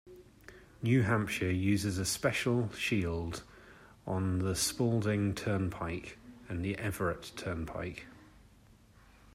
New Hampshire uses a special shield on the Spaulding Turnpike and the Everett Turnpike.